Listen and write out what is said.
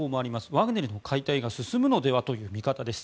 ワグネルの解体が進むのではという見方です。